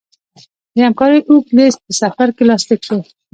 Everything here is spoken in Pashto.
د همکاریو اوږد لېست په سفر کې لاسلیک شو.